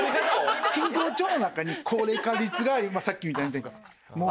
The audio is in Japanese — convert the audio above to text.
錦江町の中に高齢化率が今さっきみたいにもう。